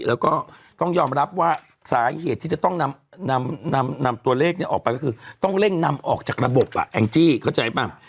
แล้วก็ต้องยอมรับว่าสาเหตุที่จะต้องนำตัวเลขนี้ออกไปก็คือต้องเร่งนำออกจากระบบแองจี้เข้าใจป่ะ